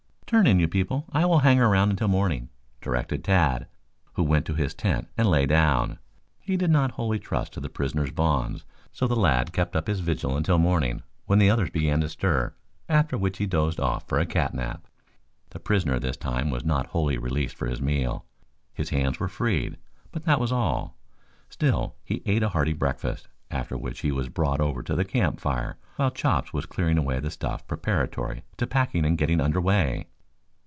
"Turn in, you people. I will hang around until morning," directed Tad, who went to his tent and lay down. He did not wholly trust to the prisoner's bonds, so the lad kept up his vigil until morning when the others began to stir, after which he dozed off for a catnap. The prisoner this time was not wholly released for his meal. His hands were freed, but that was all. Still he ate a hearty breakfast, after which he was brought over to the campfire while Chops was clearing away the stuff preparatory to packing and getting under way.